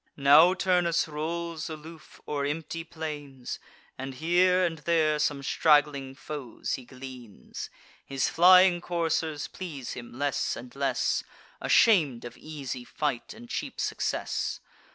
Now Turnus rolls aloof o'er empty plains, And here and there some straggling foes he gleans. His flying coursers please him less and less, Asham'd of easy fight and cheap success.